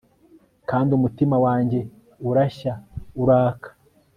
kandi umutima wanjye urashya, uraka